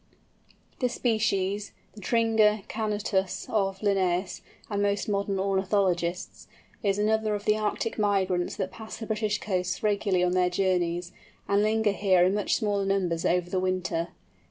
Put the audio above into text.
This species, the Tringa canutus of Linnæus, and most modern ornithologists, is another of the Arctic migrants that pass the British coasts regularly on their journeys, and linger here in much smaller numbers over the winter.